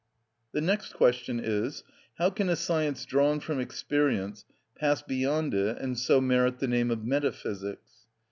The next question is: How can a science drawn from experience pass beyond it and so merit the name of metaphysics?